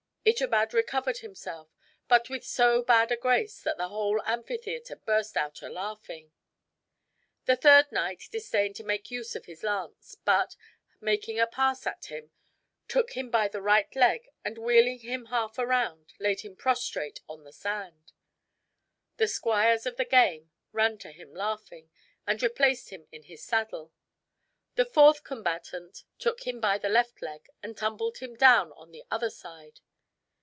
Itobad recovered himself, but with so bad a grace that the whole amphitheater burst out a laughing. The third knight disdained to make use of his lance; but, making a pass at him, took him by the right leg and, wheeling him half round, laid him prostrate on the sand. The squires of the game ran to him laughing, and replaced him in his saddle. The fourth combatant took him by the left leg, and tumbled him down on the other side.